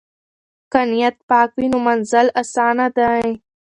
که نیت پاک وي نو منزل اسانه دی.